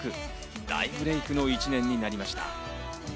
大ブレイクの一年になりました。